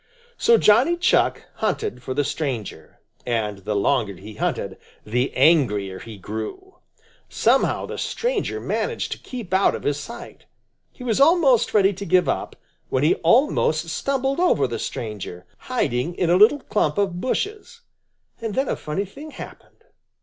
So Johnny Chuck hunted for the stranger, and the longer he hunted the angrier he grew. Somehow the stranger managed to keep out of his sight. He was almost ready to give up, when he almost stumbled over the stranger, hiding in a little clump of bushes. And then a funny thing happened.